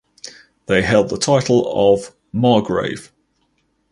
They held the title of ("margrave").